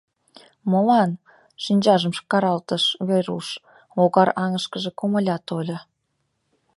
— Молан? — шинчажым каралтыш Веруш, логар аҥышкыже комыля тольо.